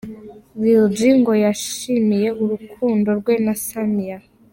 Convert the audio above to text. Lil G ngo yishimiye urukundo rwe na Samia.